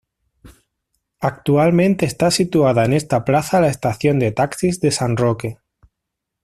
Actualmente está situada en esta plaza la estación de taxis de San Roque.